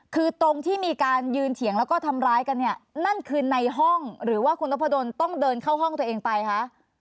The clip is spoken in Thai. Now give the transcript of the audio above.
คือตรงที่มีการยืนเถียงแล้วก็ทำร้ายกันเนี่ยนั่นคือในห้องหรือว่าคุณนพดลต้องเดินเข้าห้องตัวเองไปคะ